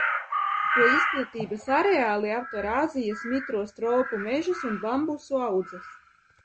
To izplatības areāli aptver Āzijas mitros tropu mežus un bambusu audzes.